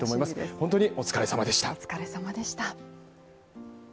本当にお疲れ様でした。